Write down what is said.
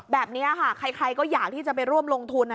แบบนี้ค่ะใครก็อยากที่จะไปร่วมลงทุน